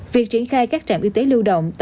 việc triển khai các trạm y tế lưu động